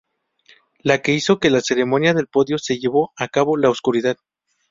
Lo que hizo que la ceremonia del podio se llevó a cabo la oscuridad!